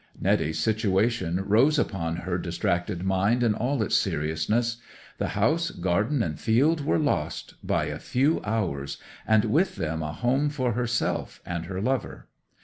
'Netty's situation rose upon her distracted mind in all its seriousness. The house, garden, and field were lost—by a few hours—and with them a home for herself and her lover.